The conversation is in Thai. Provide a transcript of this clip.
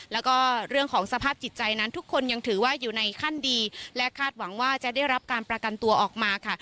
แล้วก็เรื่องของสภาพจิตใจนั้นทุกคนยังถือว่าอยู่ในขั้นดีและคาดหวังว่าจะได้รับการประกันตัวออกมาค่ะ